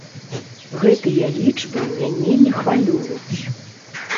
Гэтыя лічбы мяне не хвалююць.